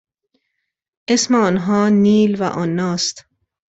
اسم آنها نیل و آنا است.